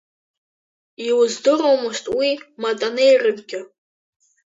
Илыздыруамызт уи матанеиракгьы.